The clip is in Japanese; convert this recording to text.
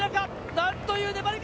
なんという粘りか。